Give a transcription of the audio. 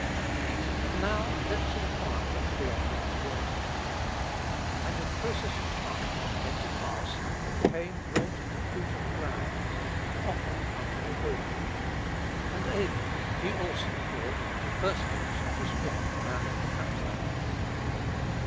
And, now, let us inquire what the offerings were. "And in process of time it came to pass, that Cain brought of the fruit of the ground an offering unto Jehovah. And Abel, he also brought of the firstlings of his flock, and of the fat thereof.